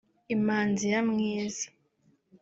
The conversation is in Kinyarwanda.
Imanzi ya mwiza